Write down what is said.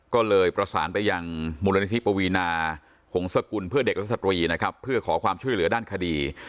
ก็เลยประสานไปยังมูลนิธิปวีนาหงศกุลเพื่อเด็กและสตรีนะครับเพื่อขอความช่วยเหลือด้านคดี